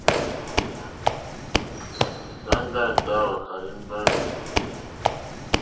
Rzanga Ndawo a imbami.